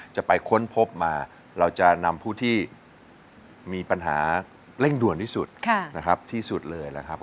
ค้นพบมาเราจะนำผู้ที่มีปัญหาเร่งด่วนที่สุดนะครับที่สุดเลยนะครับ